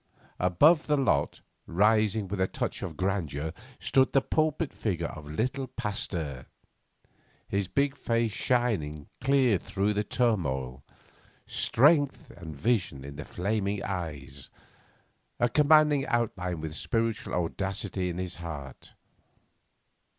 Above the lot, rising with a touch of grandeur, stood the pulpit figure of the little Pasteur, his big face shining clear through all the turmoil, strength and vision in the flaming eyes a commanding outline with spiritual audacity in his heart.